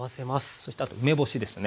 そしてあと梅干しですね